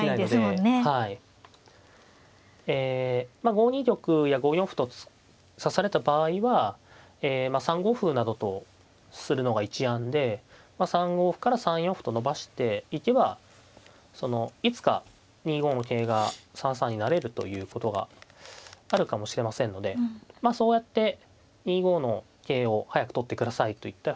５二玉や５四歩と指された場合は３五歩などとするのが一案で３五歩から３四歩と伸ばしていけばそのいつか２五の桂が３三に成れるということがあるかもしれませんのでまあそうやって２五の桂を早く取ってくださいといった